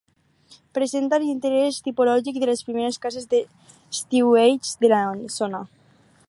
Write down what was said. Presenta l'interès tipològic de les primeres cases d'estiueig de la zona.